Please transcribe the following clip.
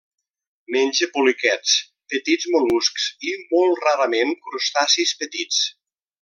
Menja poliquets, petits mol·luscs i, molt rarament, crustacis petits.